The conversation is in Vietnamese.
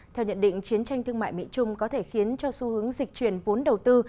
theo nhận định chiến tranh thương mại mỹ trung có thể khiến cho xu hướng dịch chuyển vốn đầu tư